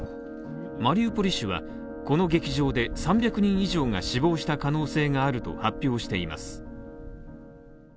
マリウポリ市はこの劇場で３００人以上が死亡した可能性があると発表しています。